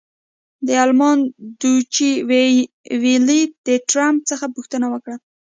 د المان ډویچې وېلې د ټرمپ څخه پوښتنه وکړه.